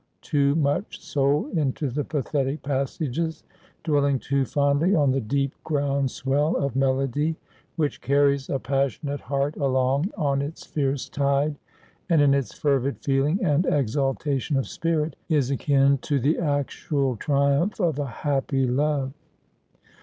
too much soul into the pathetic passages, dwelling too fondly on the deep ground swell of melody, which carries a passionate heart along on its fierce tide, and, in its fervid feeling and exaltation of spirit, is akin to the actual triumph of a happy love.